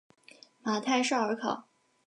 马泰绍尔考。